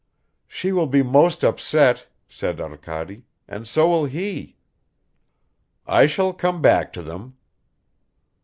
"She will be most upset," said Arkady, "and so will he." "I shall come back to them."